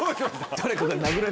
誰かが。